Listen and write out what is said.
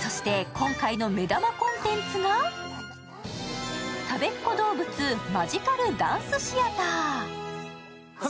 そして今回の目玉コンテンツがたべっ子どうぶつマジカルダンスシアター。